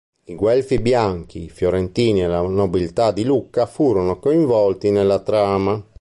I guelfi bianchi, i fiorentini e la nobiltà di Lucca furono coinvolti nella trama.